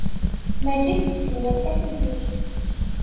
Maǧid yesselmad tafizikt.